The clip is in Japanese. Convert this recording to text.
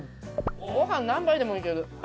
ご飯何杯でもいける。